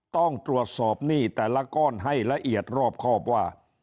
ต้องตรวจสอบหนี้แต่ละก้อนให้ละเอียดรอบครอบว่า